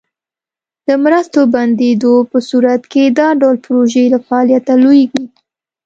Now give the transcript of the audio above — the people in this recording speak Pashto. د مرستو بندیدو په صورت کې دا ډول پروژې له فعالیته لویږي.